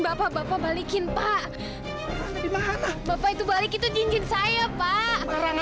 berharga buat saya balikin ya pak itu cincin yang